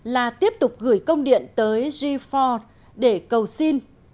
là tiếp tục gửi công điện tới g ford để cầu xin